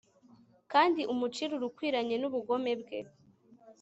kandi umucire urukwiranye n'ubugome bwe